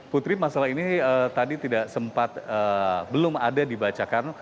putri masalah ini tadi tidak sempat belum ada dibacakan